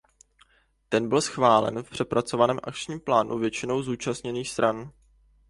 Ten byl schválen v přepracovaném akčním plánu většinou zúčastněných stran.